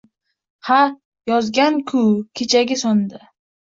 Ha, yozgansan-ku kechagi sonda